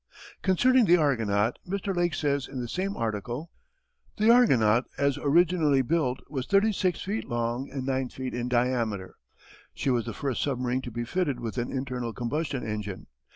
Concerning the Argonaut Mr. Lake says in the same article: The Argonaut as originally built was 36 feet long and 9 feet in diameter. She was the first submarine to be fitted with an internal combustion engine.